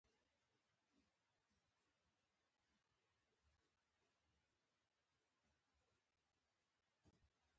دوبۍ د نړۍ د تر ټولو لوی هوايي ډګر